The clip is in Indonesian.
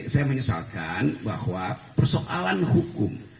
saya menyesalkan bahwa persoalan hukum